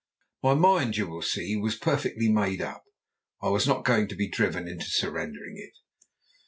My mind, you will see, was perfectly made up; I was not going to be driven into surrendering it.